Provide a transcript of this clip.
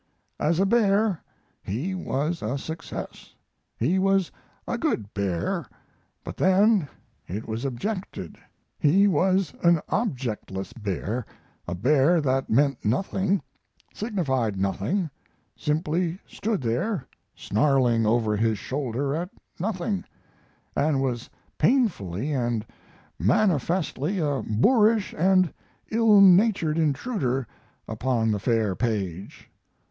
As a bear he was a success. He was a good bear, but then, it was objected, he was an objectless bear a bear that meant nothing, signified nothing, simply stood there, snarling over his shoulder at nothing, and was painfully and manifestly a boorish and ill natured intruder upon the fair page.